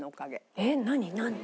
えっ何？